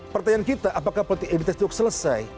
pertanyaan kita apakah politik identitas itu selesai